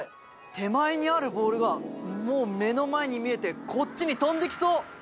手前にあるボールがもう目の前に見えてこっちに飛んできそう！